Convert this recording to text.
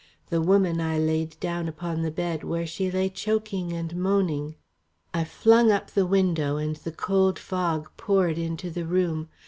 The woman I laid down upon the bed, where she lay choking and moaning. I flung up the window and the cold fog poured into the room.